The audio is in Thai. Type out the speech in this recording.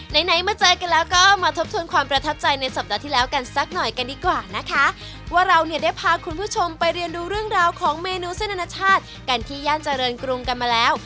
ไหนไหนมาเจอกันแล้วก็มาทบทวนความประทับใจในสัปดาห์ที่แล้วกันสักหน่อยกันดีกว่านะคะว่าเราเนี่ยได้พาคุณผู้ชมไปเรียนดูเรื่องราวของเมนูเส้นอนาชาติกันที่ย่านเจริญกรุงกันมาแล้ว